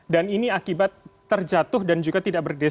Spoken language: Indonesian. dan ini akibat terjatuh dan juga tidak berdiri